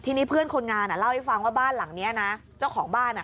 ทีนี้เพื่อนคนงานอ่ะเล่าให้ฟังว่าบ้านหลังเนี้ยนะเจ้าของบ้านอ่ะ